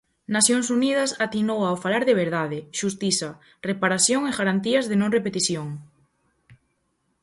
Nacións Unidas atinou ao falar de verdade, xustiza, reparación e garantías de non repetición.